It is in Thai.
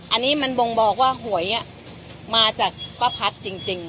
อันนี้มันบ่งบอกว่าหวยมาจากป้าพัดจริง